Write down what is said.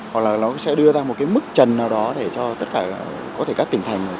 hoặc là nó sẽ đưa ra một cái mức trần nào đó để cho tất cả có thể các tỉnh thành